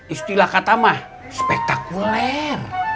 istilah kata mah spektakuler